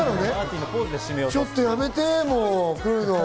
ちょっとやめて、来るの。